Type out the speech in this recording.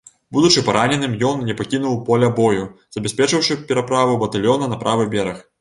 Будучы параненым, ён не пакінуў поля бою, забяспечыўшы пераправу батальёна на правы бераг.